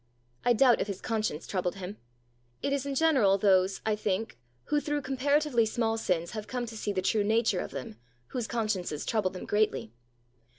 I doubt if his conscience troubled him. It is in general those, I think, who through comparatively small sins have come to see the true nature of them, whose consciences trouble them greatly.